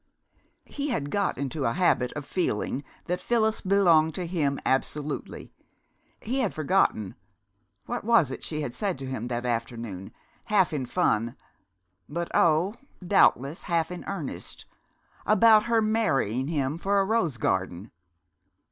He had got into a habit of feeling that Phyllis belonged to him absolutely. He had forgotten what was it she had said to him that afternoon, half in fun but oh, doubtless half in earnest! about marrying him for a rose garden?